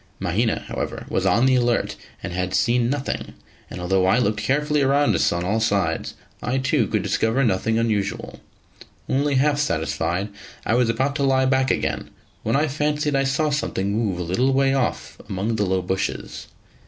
Mahina, however, was on the alert, and had seen nothing; and although I looked carefully round us on all sides, I too could discover nothing unusual. Only half satisfied, I was about to lie back again, when I fancied I saw something move a little way off among the low bushes.